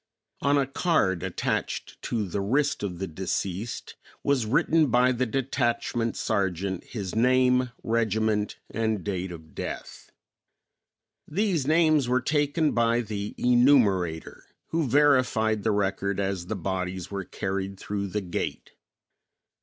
On a card attached to the wrist of the deceased was written by the detachment sergeant, his name, regiment and date of death. These names were taken by the enumerator, who verified the record as the bodies were carried through the gate.